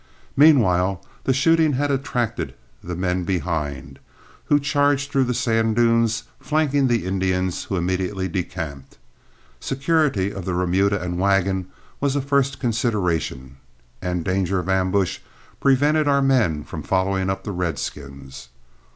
Meanwhile the shooting had attracted the men behind, who charged through the sand dunes, flanking the Indians, who immediately decamped. Security of the remuda and wagon was a first consideration, and danger of an ambush prevented our men from following up the redskins.